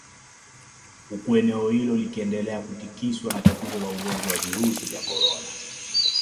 Huku eneo hilo likiendelea kutikiswa na tatizo la ugonjwa wa virusi vya korona